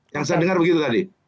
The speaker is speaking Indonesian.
yang saya dengar begitu tadi